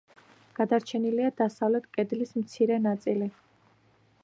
გადარჩენილია დასავლეთ კედლის მცირე ნაწილი.